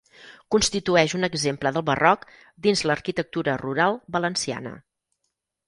Constitueix un exemple del barroc dins l'arquitectura rural valenciana.